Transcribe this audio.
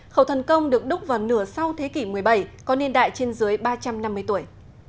khẩu thần công được đúc vào nửa sau thế kỷ một mươi bảy có niên đại trên dưới ba trăm năm mươi tuổi